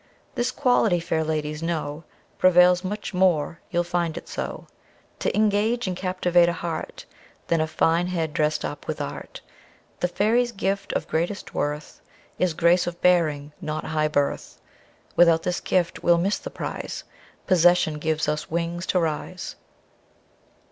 This quality, fair ladies, know Prevails much more (you'll find it so) T'ingage and captivate a heart, Than a fine head dress'd up with art. The fairies' gift of greatest worth Is grace of bearing, not high birth; Without this gift we'll miss the prize; Possession gives us wings to rise.